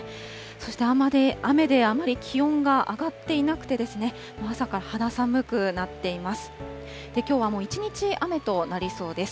そして雨であまり気温が上がっていなくてですね、朝から肌寒くなっています。